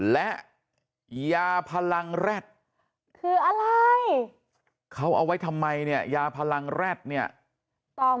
และยาพลังแร็ดคืออะไรเขาเอาไว้ทำไมเนี่ยยาพลังแร็ดเนี่ย